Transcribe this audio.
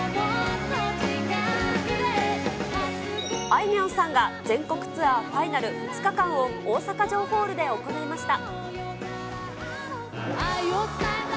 あいみょんさんが全国ツアーファイナル２日間を大阪城ホールで行いました。